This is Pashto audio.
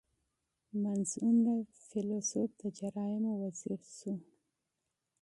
• منځ عمره فېلېسوف د جرایمو وزیر شو.